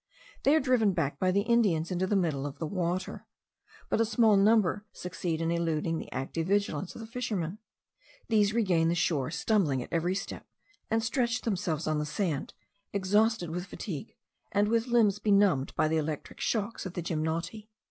They are driven back by the Indians into the middle of the water; but a small number succeed in eluding the active vigilance of the fishermen. These regain the shore, stumbling at every step, and stretch themselves on the sand, exhausted with fatigue, and with limbs benumbed by the electric shocks of the gymnoti.